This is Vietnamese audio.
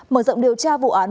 mở rộng điều tra vụ án